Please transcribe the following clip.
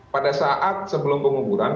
pada saat sebelum penguburan